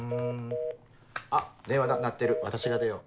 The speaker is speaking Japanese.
あ電話だ鳴ってる私が出よう。